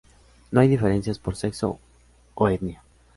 No hay diferencias por sexo o etnia.